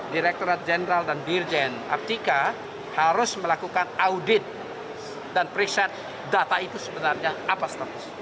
direkturat jenderal dan dirjen aptika harus melakukan audit dan periksa data itu sebenarnya apa statusnya